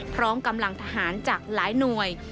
พร้อมกำลังทหารจากหลายหน่วย